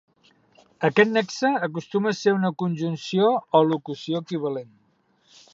Aquest nexe acostuma a ser una conjunció o locució equivalent.